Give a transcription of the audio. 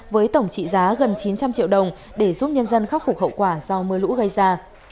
với tổng trị giá gần chín trăm linh triệu đồng để giúp nhân dân khắc phục hậu quả do mưa lũ gây ra